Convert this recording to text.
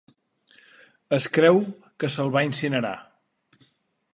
Es creu que se'l va incinerar.